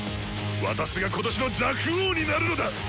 私が今年の若王になるのだ！